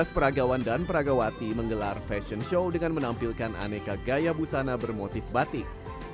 dua belas peragawan dan peragawati menggelar fashion show dengan menampilkan aneka gaya busana bermotif batik